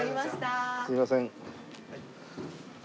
すいません。